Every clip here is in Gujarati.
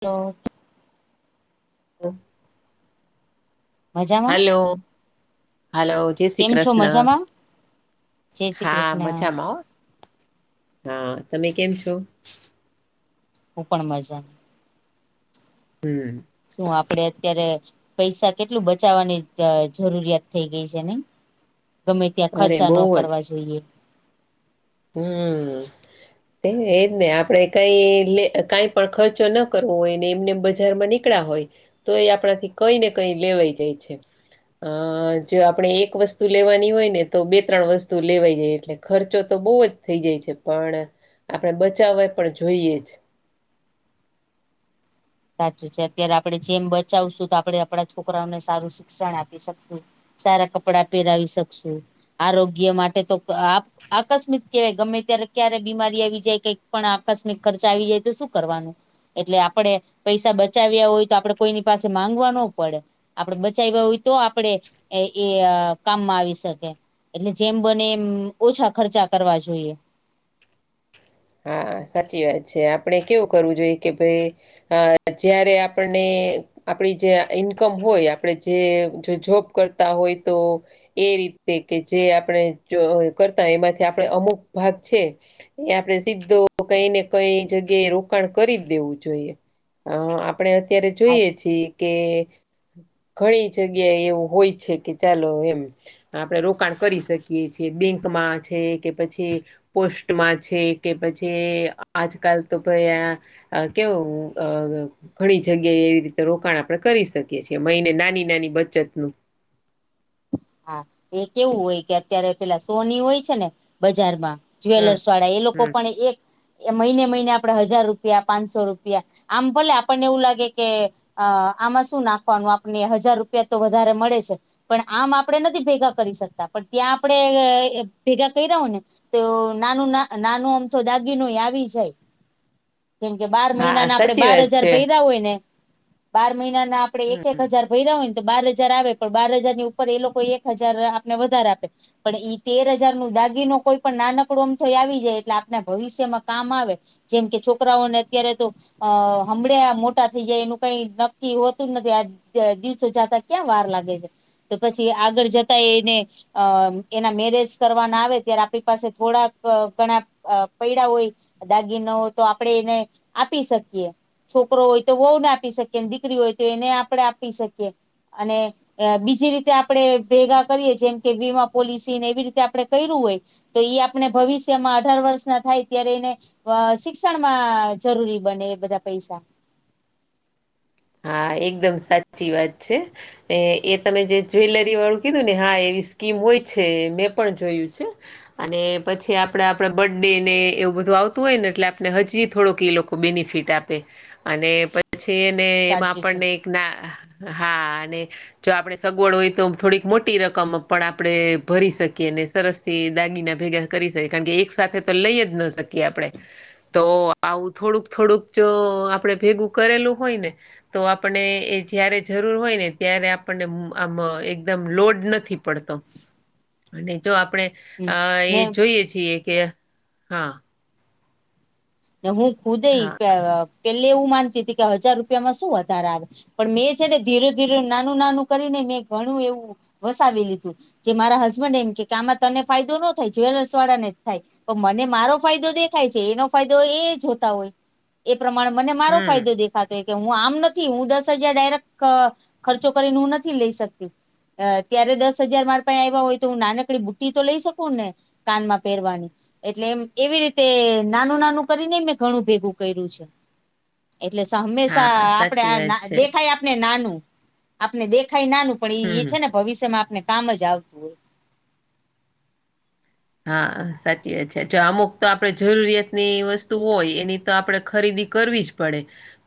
હલ્લો હા મજામાં હાલો હાલો જય શ્રી કેમ છો કૃષ્ણ મજામાં જય શ્રી હા કૃષ્ણ મજામાં હો હ તમે કેમ છો હું પણમજામાં, હમમ શું આપડો અત્યારે, પૈસા કેટલું બચાવવાની જરૂરિયાત થઇ ગઈ છે નઈ ગમ્મે ત્યાં અરે ખર્ચા ન બહુ કરવા જોઈએ હમમ હે ને એમને આપડે કઈ કાંઈ પણ ખર્ચો ન કરવો હોય ને એમને બજારમાં નીકળ્યા હોય તોય આપણાથી કંઈ ને કંઈ લેવાઈ જાય છે, હ હ જો આપણે એક વસ્તુ લેવાની હોય નેતો બે- ત્રણ વસ્તુ લેવાઈજાય એટલે ખર્ચો. તો બોવજ થઈ જાય છે પણ આપણે બચાવવાજ પણ જોઈએ છે સાચું છે અત્યારે આપણે જેમ બચાવશું તો આપડે આપણા છોકરાંવને સારુ શિક્ષણ આપી શકશું સારા કપડા પેરાવી શકશું આરોગ્ય માટે તો આકસ્મિક કહેવાય ગમે ત્યારે ક્યારે બીમારી આવી જાય કંઈક પણ આકસ્મિક ખર્ચા આવી જાય તો શું કરવાનું, એટલે આપડે પૈસા બચાવ્યા હોય તો આપડે કોઈની પાસે માંગવા ન પડે આપડે બચાવ્યા હોય તો આપડે એ એ કામમાં આવી શકે, એટલે જેમ બને એમ ઓછા ખર્ચા કરવા જોઈએ, હા સાચી વાત છે આપણે કેવું કરવું જોઈએ કે ભઈ અ જયારે આપણને આપડી જે ઇન્કમ હોય આપડે જે જો જોબ કરતા હોય તો, એ રીતે કે જે આપણે જોબ કરતા હોય એમાંથી આપણે અમુક ભાગ છે, એ આપડે, સીધો કઈ ને કઈ જગ્યા એ રોકાણ કરીજ દેવું જોઈએ આપણે અત્યારે જોઈએ છીએ કે ઘણી જગ્યાએ એવું હોય છે કે ચાલો એમ, આપણે રોકાણ કરી શકીએ છીએ બેન્કમાં છે કે પછી પોસ્ટમાં છે કે પછી આજકાલ તો ભઈ આ અ કેવું ઘણી જગ્યાએ એવી રીતે રોકાણ આપણે કરી શકીએ છીએ, મહીને નાની નાની બચત નું હા એ કેવું હોય કે અત્યારે પેલા સોની હોય છે ને બજારમાં હા જ્વેલર્સ વાળા એ લોકો હમ પણ એક, એ મહિને મહીને આપડે હજાર રૂપિયા પાંચસો રુપિયા આમ ભલે આપણને એવું લાગે કે, અ આમાં શું નાખવાનું આપણને હજાર રૃપિયા તો વધારે મળે છે પણ આમ આપણે નથી ભેગા કરી શકતા પણ ત્યાં આપડે ભેગા કર્યા હોય ને, તો નાનું નાનો અમથોય દાગીનોય આવી જાય જેમ કે બાર હા મહિનાના આપડે સાચી બાર વાત હજાર છે ભર્યા હોય ને, બાર મહિનાના આપડે એક એક હમ હજાર ભયરા હોય ને તો બાર હજાર આવે પણ બાર હજાર ની ઉપર એ લોકો એક હજાર આપણને વધારે આપે. પણ ઈ તેર હજાર નો દાગીનો કોઈ પણ નાનકડો અમથોય આવી જાય એટલે આપણા ભવિષ્યમાં કામ આવે જેમ કે છોકરાઓ ને અત્યારેતો, અ હમળે આ મોટા થઈ જાય એનું કઈ નક્કી હોતું જ નથી આ, દિવસો જતા ક્યાં વાર લાગે છે, તો પછી આગળ જતાં એને એના મેરેજ કરવાના હોય, તો થોડાક ઘણા... એ પૈસા હોય, દાગીના હોય તો આપણે એને આપી શકીએ. છોકરો હોય તો વહુને આપી શકીએ, દીકરી હોય તો એને આપણે આપી શકીએ અને બીજી રીતે આપણે ભેગા કરીએ, જેમ કે વીમા પૉલિસી એવી રીતે આપણે કર્યું હોય. બીજી રીતે આપણે ભેગા કરીએ, જેમ કે વીમા પૉલિસી એવી રીતે આપણે કર્યું હોય. શિક્ષણમાં જરૂરી બને એ બધા પૈસા હા, એકદમ સાચી વાત છે. એ તમે જે જ્વેલરીવાળાની વાત કરી ને, હા, એવી સ્કીમ હોય છે. મેં પણ જોઈ છે. અને પછી આપણા બર્થડે ને એવું બધું આવતું હોય ને, એટલે આપણે હજી થોડોક એ લોકો બેનિફિટ આપે અને પછી એમાં સાચે છે આપણને એક ના, હા અને જો આપણને સગવડ હોય તો થોડીક મોટી રકમ પણ આપણે ભરી શકીએ ને, સરસ એ દાગીના ભેગા કરી શકીએ, કારણ કે એકસાથે તો લઈ ન જ શકીએ. તો આવું થોડુંક-થોડુંક જો આપણે ભેગું કરેલું હોય ને તો આપણને જ્યારે જરૂર હોય ને, ત્યારે આપણને એકદમ લોડ નથી રહેતો. પડતો અને જો આપણે હમ એ ને જોઈએ છીએ કે, હા હું ખુદ હા પહેલા માનતી હતી કે હજાર રૂપિયામાં વધારો આવે? પણ મેં ધીરે-ધીરે, નાનું-નાનું કરીને ઘણું બધું વસાવી લીધું. મારા હસબન્ડ કહે કે, આમાં તને ફાયદો ન થાય, જ્વેલર્સવાળાને જ થાય. તો મને મારો ફાયદો દેખાય છે એનો એ જોતા હોય એ પ્રમાણે મને મારો હમ ફાયદો દેખાય છે. થતો કે હું આમ નથી, હું દસ હજાર રૂપિયા ડાયરેક્ટ ખર્ચો કરીને નથી લઈ શકતી... ત્યારે દસ હજાર રૂપિયા ભેગા થયા હોય તો હું નાનકડી બુટ્ટી તો લઈ શકું ને કાનમાં પહેરવાની એટલે, એમ એવી રીતે. નાનું-નાનું કરીને મેં ઘણું ભેગું કર્યું છે. એટલે હંમેશાં હા આપણને સાચી વાત છે નાનું-નાનું દેખાય, નાનું પણ હમ એ છે ને, ભવિષ્યમાં આપણને કામ જ આવતું હોય હા, સાચી વાત છે. અમુક તો આપણી જરૂરિયાતની વસ્તુ હોય, એની તો આપણે ખરીદી કરવી જ પડે. પડે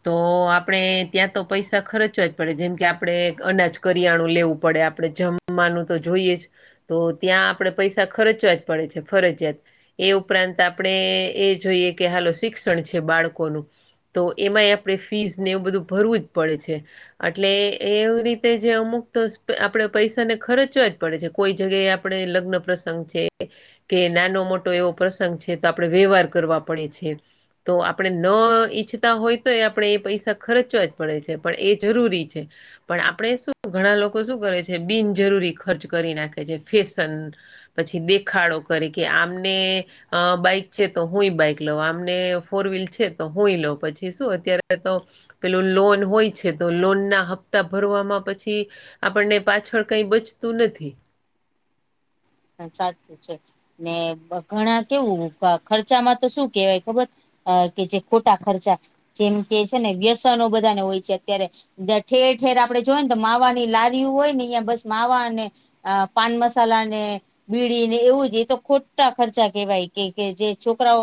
તો આપણે ત્યાં પૈસા ખર્ચવા જ પડે, જેમ કે આપણને અનાજ કરિયાણું લેવું પડે, આપણને જમવાનું તો જોઈએ જ, તો ત્યાં આપણને પૈસા ખર્ચવા જ પડે. પડે છે, ફરજજિયાત એ ઉપરાંત આપણે એ જોઈએ કે હાલ શિક્ષણ છે બાળકોનું તો એમાંય આપણે ફી અને એવું બધું ભરવું જ પડે છે. એટલે એવી રીતે અમુક વસ્તુઓ માટે તો આપણે પૈસા ખર્ચવા જ પડે છે, કોઈ જગ્યાએ. આપણે લગ્ન પ્રસંગે કે નાનો-મોટો કોઈ પ્રસંગ હોય, તો આપણે વ્યવહાર કરવા પડે છે. તો આપણે ન ઈચ્છતા હોઈએ તો પણ એ પૈસા ખર્ચવા જ પડે છે, પણ એ જરૂરી છે. પણ ઘણા લોકો શું કરે છે? બિનજરૂરી ખર્ચ કરી નાખે છે, ફેશન પાછળ પછી દેખાડો કરવા માટે એની પાસે બાઈક છે તો હું પણ બાઈક લઉં, એમની પાસે ફોર-વ્હીલર છે તો હું પણ લઉં. પછી શું, અત્યારે તો... પેલું લોન હોય છે ને, તો લોનના હપ્તા ભરવામાં પછી આપણને પાછળ કંઈ બચતું નથી. સાચું છે ને? ઘણા લોકો એવા ખર્ચા કરે છે કે શું કહેવાય, ખબર નથી પડતી. અ કે જે ખોટા ખર્ચા જેમ કે છે ને વ્યસનો બધાને હોય છે અત્યારે ઠેર ઠેર આપણે જોય ને તો માવાની લારીઓ હોય ને અહિયાં બસ માવાને અ પાન મસાલા ને બીડીને એવું જ એ તો ખોટા ખર્ચા કહેવાય કે જે છોકરાઓ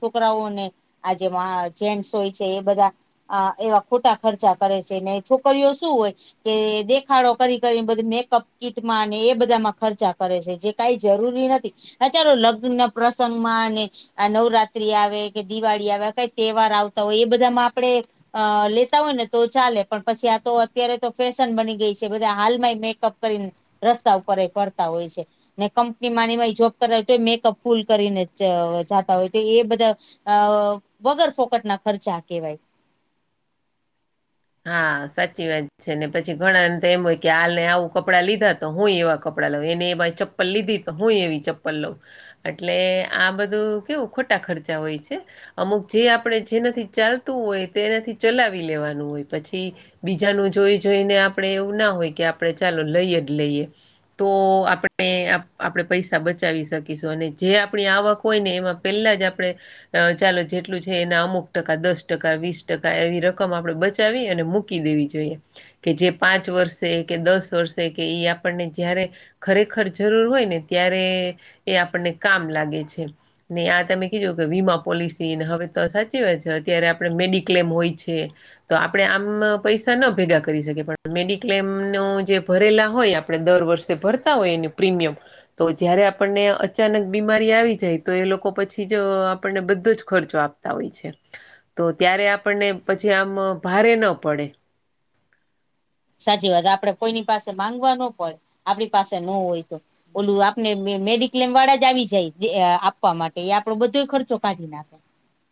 છોકરાઓને આ જેમાં જેન્ટસ હોય છે એ બધા અ એવા ખોટા ખર્ચા કરે છે ને છોકરીઓ શું હોય કે દેખાડો કરી કરી બધા મેકઅપ કીટમાં અને એ બધામાં ખર્ચા કરે છે. જે કાઈ જરૂરી નથી અ ચાલો લગ્ન પ્રસંગ મા અને આ નવરાત્રી આવે કે દિવાળી આવે કઈ તહેવાર આવતા હોય એ બધામાં આપણે અ લેતા હોય ને તો ચાલે પણ પછી આ તો અત્યારે તો ફેશન બની ગઈ છે બધા હાલમાં મેકઅપ કરીને રસ્તા ઉપર એ ફરતાં હોય છે. ને કંપની મા ની એમાંય જોબ કરતા હોય તો મેકઅપ ફૂલ કરીને જાતા હોય તો એ બધા અ વગર ફોકટના ખર્ચા કેવાય હા સાચી વાત છે ને પછી ઘણા ને તો એમ હોય કે હાલ ને આવું કપડાં લીધા તો હુંય એવા કપડાં લઉં એને એ ચપ્પલ લીધી તો હુંય એવી ચપ્પલ લઉ એટલે આ બધું કેવું ખોટા ખર્ચા હોય છે. અમુક જે આપણે જેનાથી ચાલતું હોય તેનાથી ચલાવી લેવાનું હોય પછી બીજાનું જોઈ જોઈને આપણે એવું ના હોય કે આપણે ચાલો લઈએ જ લઈએ. તો આપણે આપણે પૈસા બચાવી શકીશું અને જે આપણી આવક હોય ને એમાં પેલાજ આપણે અ ચાલો જેટલું છે એના અમુક ટકા દસ ટકા વીસ ટકા એવી રકમ આપડે બચાવી અને મૂકી દેવી જોઈએ. કે જે પાંચ વર્ષે કે દસ વર્ષે કે એ આપણને જ્યારે ખરેખર જરૂર હોય ને ત્યારે એ આપણને કામ લાગે છે. ને આ તમે કીઘુ કે વીમા પોલિસીને હવે તો સાચી વાત છે અત્યારે આપણે મેડિક્લેમ હોય છે. તો આપણે આમ પૈસા ન ભેગા કરી શકીએ પણ મેડિક્લેમ નો જે ભરેલા હોય આપણે દર વર્ષે ભરતા હોય એનુ પ્રીમિયમ તો જયારે આપણને અચાનક બીમારી આવી જાય તો એ લોકો પછી આપણને બધો જ ખર્ચો આપ તા હોય છે તો ત્યારે આપણને પછી આમ ભારે ન પડે. સાચી વાત આપડે કોઈની પાસે માંગવા ન પડે આપણી પાસે ન હોય તો ઓલું આપને મેડિક્લેમ વાળા જ આવી જાય આપવા માટે એ આપડો બધો ખર્ચો કાઢી નાખે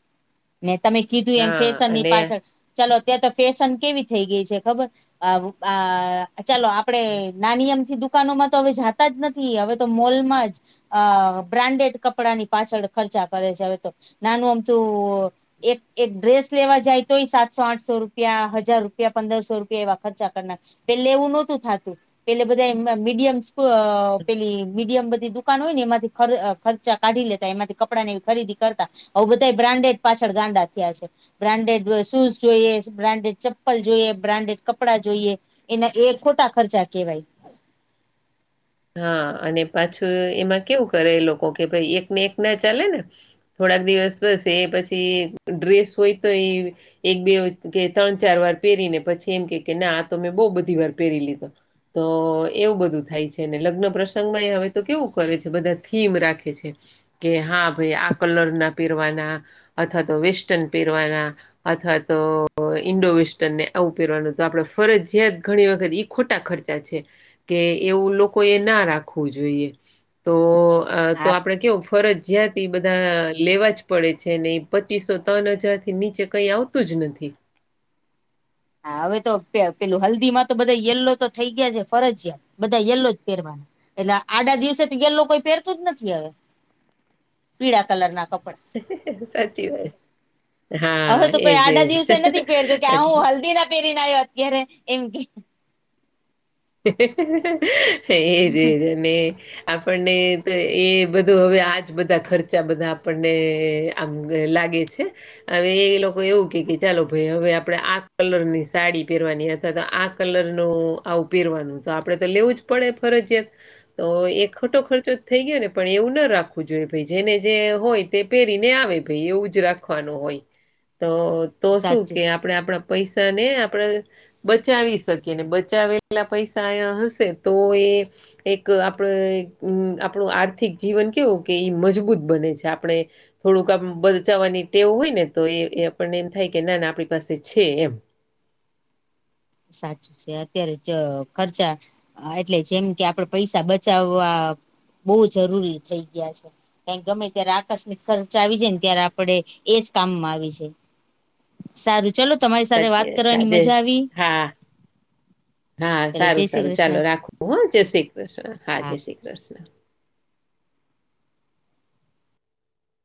[inaudible] ને તમે કીધું એમ હા ફેશન ની અને પાછળ ચાલો ત્યાં તો ફેશન કેવી થઈ ગઈ છે ખબર આ ચાલો આપડે નાની અમથી દુકાનોમાં તો હવે જાતા જ નથી હવે તો મોલમાં જ અ બ્રાન્ડેડ કપડા ની પાછળ ખર્ચા કરે છે હવે તો નાનું અમથું એક એક ડ્રેસ લેવા જાય તોય સાતસો આઠસો રૂપિયા હજાર રૂપિયા પંદરસો રૂપિયા એવા ખર્ચા કરનાર પેલે એવું નહોતું થતું પેલે બધા મીડિયમ અ પેલી મીડિયમ બધી દુ કાન હોય ને એમાંથી ખર્ચા કાઢી લેતા એમાંથી કપડા ની ખરીદી કરતા હવે બધા બ્રાન્ડેડ પાછળ ગાંડા થયા છે. બ્રાન્ડેડ શૂઝ જોઈએ, બ્રાન્ડેડ ચપ્પલ જોઈએ, બ્રાન્ડેડ કપડા જોઈએ એના એ ખોટા ખર્ચા કેવાય. હા અને પાછું એમાં કેવું કરે લોકો કે ભાઈ એક ને એક ના ચાલે ને થોડાક દિવસ બસે પછી ડ્રેસ હોય તો એ એક બે કે ત્રણ ચાર વાર પહેરીને પછી એમ કે કે ના આ તો મેં બહુ બધી વાર પહેરી લીધો. તો એવું બધું થાય છે. ને લગ્ન પ્રસંગમાં હવે તો કેવું કરે છે, બધા થીમ રાખે છે. કે હા ભાઈ આ કલરના પહેરવાના અથવા તો વેસ્ટન પહેરવાના, અથવા તો ઈન્ડોવેસ્ટર્ન ને આવું પહેરવાનું તો આપડે ફરજયાત ઘણી વખત ખોટા ખર્ચા છે, કે એવું લોકો કોઈએ ના રાખવું જોઈએ તો-તો આપણે કેવું, ફરજીયાત એ બધા લેવા જ પડે છે, ને એ પચીસો ત્રણ હજારથી નીચે કંઈ આવ તુ જ નથી. હા હવે તો પેલું હલ્દીમાં તો બધા યલો તો થઈ ગયા છે, ફરજિયાત બધા યલો જ પહેરવાના એટલે આડા દિવસે તો યલો કોઈ પહેરતું જ નથી હવે પીળા કલરના કપડા સાચી વાત હવે હા તો કોઈ એજ આડા એજ દિવસે નથી પહેરતોું કે એટલે હું હલ્દીના પહેરીને આવ્યો અત્યારે એમ કે એજ-એજ ને આપણને તો એ બધું હવે આજ બધા ખર્ચા બધા આપણને આમ લાગે છે. હવે એ લોકો એવું કે કે ચાલો ભાઈ હવે આપણેે આ કલરની સાડી પહેરવાની અથવા તો આ કલરનું આવું પેરવાનું તો આપડે તો લેવું જ પડે ફરજયાત તો એ ખોટો ખર્ચો થઈ ગયો ને પણ એવું ના રાખવું જોઈએ ભાઈ જેને જે હોય તે પહેરીને આવે ભાઈ એવું જ રાખવાનું હોય તો તો શું સાચું કે આપણે આપણા પૈસાને આપણે બચાવી શકીએ ને બચાવે કેટલા પૈસા હશે તો એ એક આપડે આપણું આર્થિક જીવન કેવું કે ઈ મજબૂત બને છે, આપણે થોડુંક આમ બચાવવાની ટેવ હોય ને તો એ આપણને એમ થાય કે ના ના આપણી પાસે છે, એમ સાચું છે, અત્યારે ખર્ચા એટલે જેમ કે આપડે પૈસા બચાવવા બહુ જરૂરી થઈ ગયા છે. ગમે ત્યારે આકસ્મિક આવી જાય ને ત્યારે એજ કામમાં આવી જાય. સારું ચાલો તમારી સાથે સાચી વાત છે કરવાની આજે મજા આવી. હા હા ચલો જય શ્રી સારું-સારું કૃષ્ણ ચાલો રાખું હો, જય શ્રી કૃષ્ણ હા, જય શ્રી કૃષ્ણ.